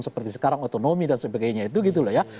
seperti sekarang otonomi dan sebagainya itu gitu loh ya